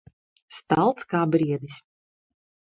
Stalts kā briedis.